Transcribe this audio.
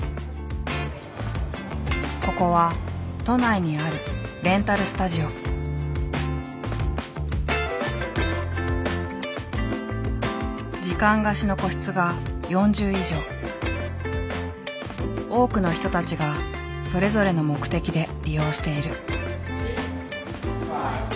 ここは都内にある時間貸しの多くの人たちがそれぞれの目的で利用している。